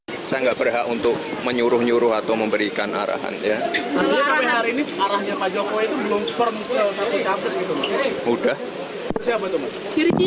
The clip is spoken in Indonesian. hai saya berhasil menyuruh nyuruh atau memberikan arahannya hari ya ada hasil kompanya